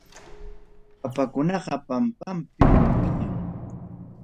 Papakunaqa pampapim wiñan.